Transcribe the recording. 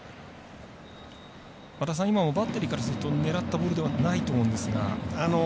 和田さん、バッテリーからすると狙ったボールではないと思うんですが。